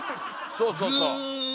そうそうそう！